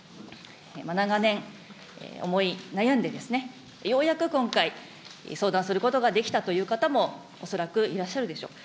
長年、思い悩んで、ようやく今回、相談することができたという方も恐らくいらっしゃるでしょう。